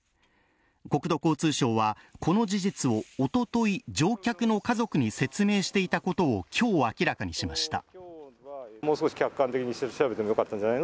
国土交通省は、この事実をおととい乗客の家族に説明していたことを今日、明らかにしました。